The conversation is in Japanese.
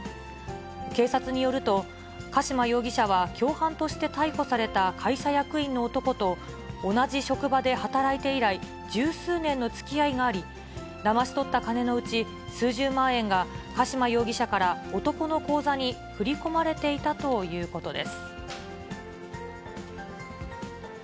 警察によると、加島容疑者は共犯として逮捕された会社役員の男と同じ職場で働いて以来、十数年のつきあいがあり、だまし取った金のうち、数十万円が加島容疑者から男の口座に振り込まれていたということです。